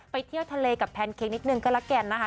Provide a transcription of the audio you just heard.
เที่ยวทะเลกับแพนเค้กนิดนึงก็แล้วกันนะคะ